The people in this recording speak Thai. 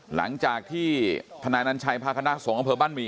หลังจากที่ทนายอันตรันชัยพาคณะสงอำเภอบ้านมี